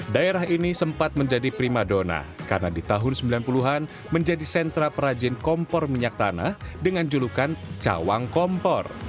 daerah ini sempat menjadi prima dona karena di tahun sembilan puluh an menjadi sentra perajin kompor minyak tanah dengan julukan cawang kompor